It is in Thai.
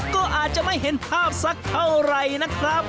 ก็อาจจะไม่เห็นภาพสักเท่าไหร่นะครับ